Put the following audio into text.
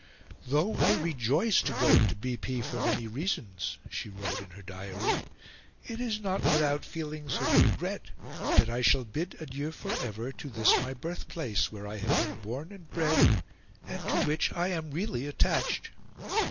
"Though I rejoice to go into B. P. for many reasons," she wrote in her diary, "it is not without feelings of regret that I shall bid adieu for ever to this my birthplace, where I have been born and bred, and to which I am really attached!"